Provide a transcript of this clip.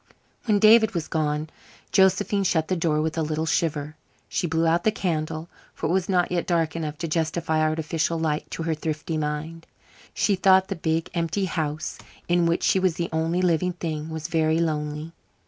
When David was gone Josephine shut the door with a little shiver. She blew out the candle, for it was not yet dark enough to justify artificial light to her thrifty mind. She thought the big, empty house, in which she was the only living thing, was very lonely.